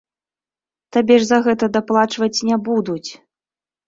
Табе ж за гэта даплачваць не будуць!